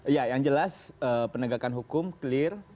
ya yang jelas penegakan hukum clear